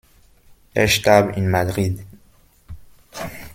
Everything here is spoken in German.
Er starb in Madrid.